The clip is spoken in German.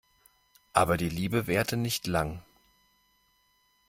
Aber die Liebe währte nicht lang.